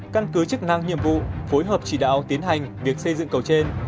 căn cứ chức năng nhiệm vụ phối hợp chỉ đạo tiến hành việc xây dựng cầu trên